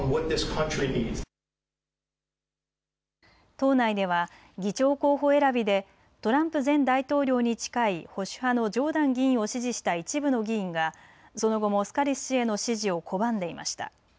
党内では議長候補選びでトランプ前大統領に近い保守派のジョーダン議員を支持した一部の議員がその後もスカリス氏への支持を拒んでいました。